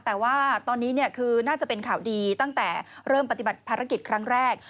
แต่ว่าตอนนี้คือน่าจะเป็นข่าวดีตั้งแต่เริ่มปฏิบัติภารกิจครั้งแรก